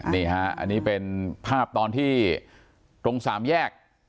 นี่ฮะอันนี้เป็นภาพตอนที่ตรงสามแยก